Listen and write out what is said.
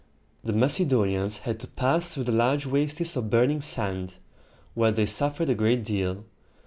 The Macedonians had to pass through large wastes of burning sand, where they suffered a great deal.